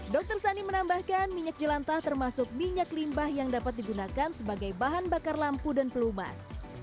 dr sani menambahkan minyak jelantah termasuk minyak limbah yang dapat digunakan sebagai bahan bakar lampu dan pelumas